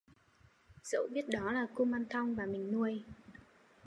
Dẫu biết đó là kumanthong và mình nuôi